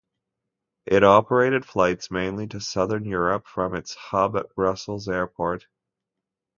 It operated flights mainly to southern Europe from its hub at Brussels Airport.